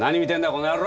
この野郎！